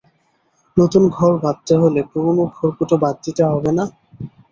নতুন ঘর বাঁধতে হলে পুরোনো খড়কুটো বাদ দিতে হবে না?